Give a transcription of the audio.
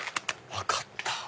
分かった！